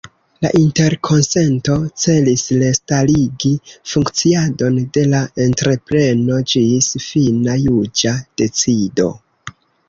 La interkonsento celis restarigi funkciadon de la entrepreno ĝis fina juĝa decido.